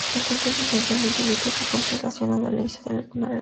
El teatro es esencialmente mito, y ritual relacionado en un inicio a alguna religión.